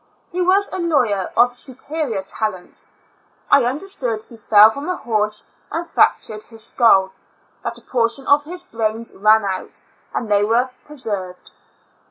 He was a law^^er of superior talents. I understood he fell from a horse and fractured his skull, that a portion of his brains ran out, and they were preserved.